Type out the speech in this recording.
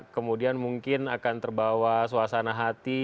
kemudian mungkin akan terbawa suasana hati